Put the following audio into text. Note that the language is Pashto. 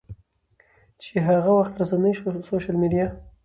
چې هغه وخت رسنۍ، سوشل میډیا